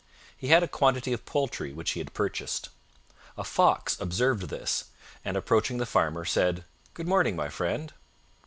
He had a quantity of poultry which he had purchased. A Fox observed this, and approaching the Farmer, said, "Good morning, my friend."